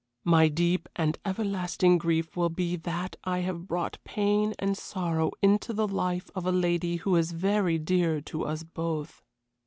My deep and everlasting grief will be that I have brought pain and sorrow into the life of a lady who is very dear to us both.